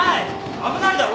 危ないだろ。